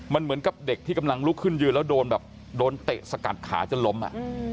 มันเหมือนกับเด็กที่กำลังลุกขึ้นยืนแล้วโดนแบบโดนเตะสกัดขาจนล้มอ่ะ